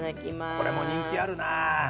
これも人気あるなあ！